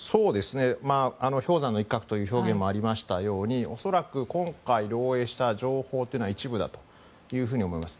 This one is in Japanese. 氷山の一角という表現もありましたように恐らく今回、漏洩した情報というのは一部だというふうに思います。